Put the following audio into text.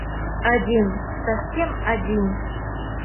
— Один, совсем один!